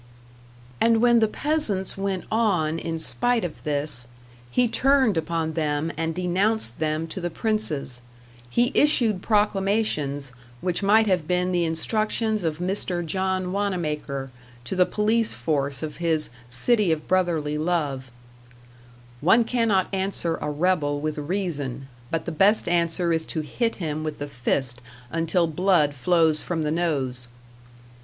And when the peasants went on in spite of this, he turned upon them and denounced them to the princes; he issued proclamations which might have been the instructions of Mr. John Wanamaker to the police force of his "City of Brotherly Love": "One cannot answer a rebel with reason, but the best answer is to hit him with the fist until blood flows from the nose."